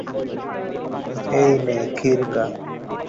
এই নে, খির খা।